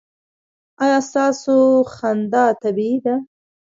ایا ستاسو خندا طبیعي ده؟